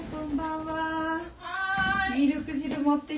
はい。